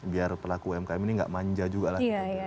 biar pelaku umkm ini gak manja juga lah